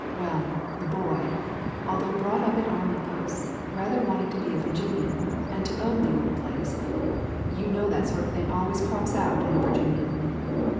Well, the boy, although brought up at army posts, rather wanted to be a Virginian, and to own the old place; you know that sort of thing always crops out in a Virginian."